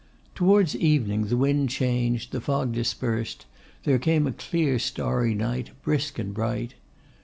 Towards evening the wind changed, the fog dispersed, there came a clear starry night, brisk and bright.